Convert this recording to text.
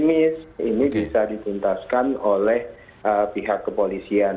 optimis ini bisa dituntaskan oleh pihak kepolisian